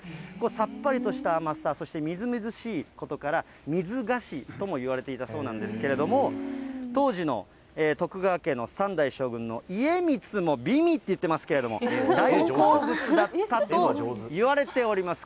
さっぱりとした甘さ、そしてみずみずしいことから、水菓子ともいわれていたそうなんですけども、当時の徳川家の三代将軍の家光も、美味！って言ってますけど、大好物だったといわれております。